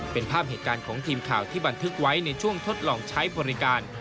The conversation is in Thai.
เป็นภาพเหตุการณ์ของทีมข่าวที่บันทึกไว้ในช่วงทดลองใช้บริการ